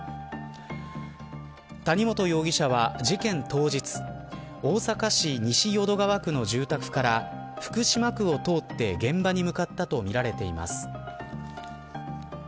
谷本容疑者は、事件当日大阪市西淀川区の住宅から福島区を通って現場に向かったとみられています。